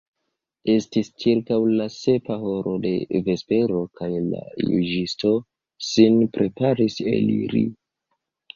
Estis ĉirkaŭ la sepa horo de vespero, kaj la juĝisto sin preparis eliri.